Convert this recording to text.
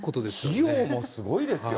費用もすごいですよ。